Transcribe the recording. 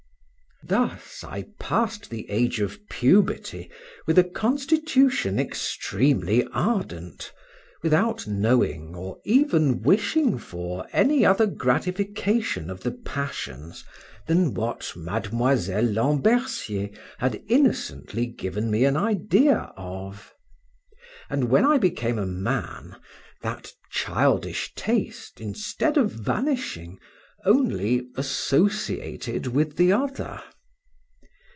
Thus I passed the age of puberty, with a constitution extremely ardent, without knowing or even wishing for any other gratification of the passions than what Miss Lambercier had innocently given me an idea of; and when I became a man, that childish taste, instead of vanishing, only associated with the other.